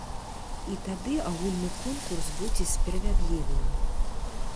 І тады агульны конкурс будзе справядлівым.